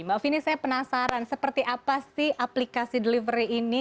mbak vini saya penasaran seperti apa sih aplikasi delivery ini